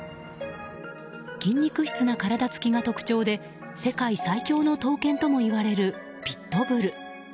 筋肉質な体つきが特徴で世界最強の闘犬ともいわれるピットブル。